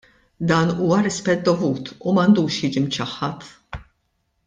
Dan huwa rispett dovut u m'għandux jiġi mċaħħad!